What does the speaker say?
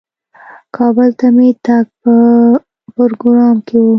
کابل ته مې تګ په پروګرام کې و.